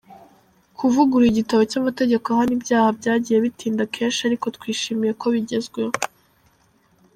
Kuvugurura igitabo cy’amategeko ahana ibyaha byagiye bitinda kenshi ariko twishimiye ko bigezweho.